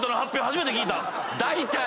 初めて聞いた。